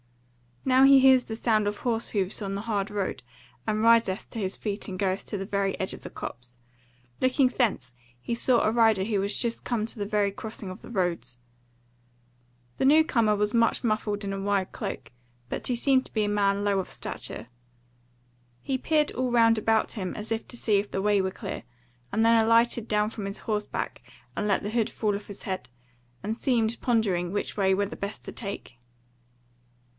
Now he hears the sound of horse hoofs on the hard road, and riseth to his feet and goeth to the very edge of the copse; looking thence he saw a rider who was just come to the very crossing of the roads. The new comer was much muffled in a wide cloak, but he seemed to be a man low of stature. He peered all round about him as if to see if the way were clear, and then alighted down from horseback and let the hood fall off his head, and seemed pondering which way were the best to take.